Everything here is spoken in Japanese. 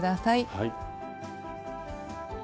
はい。